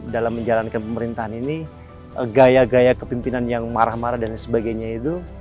dalam menjalankan pemerintahan ini gaya gaya kepimpinan yang marah marah dan sebagainya itu